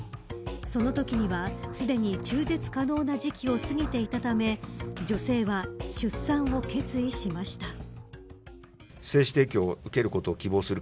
そのときには、すでに中絶可能な時期を過ぎていたため女性は出産を決意しました。